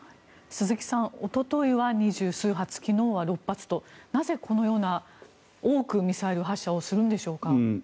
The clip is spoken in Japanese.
鈴木さんおとといは２０数発昨日は６発となぜこのような多くのミサイル発射をするのでしょうか。